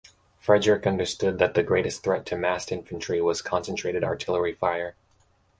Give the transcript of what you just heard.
Frederick understood that the greatest threat to massed infantry was concentrated artillery fire.